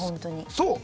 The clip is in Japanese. そう！